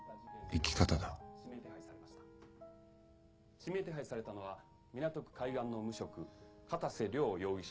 「指名手配されたのは港区海岸の無職片瀬涼容疑者